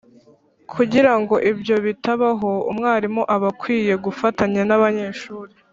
Kugira ngo ibyo bitabaho, umwarimu aba akwiye gufatanya n'abanyeshuri